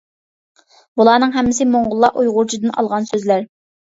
بۇلارنىڭ ھەممىسى موڭغۇللار ئۇيغۇرچىدىن ئالغان سۆزلەر.